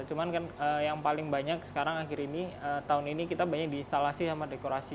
cuman kan yang paling banyak sekarang akhir ini tahun ini kita banyak di instalasi sama dekorasi